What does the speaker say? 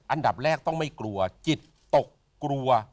อันดับแรกต้องไม่กลัวจิตตกกลัว